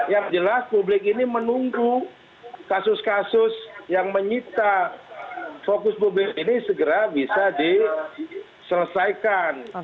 yang jelas publik ini menunggu kasus kasus yang menyita fokus publik ini segera bisa diselesaikan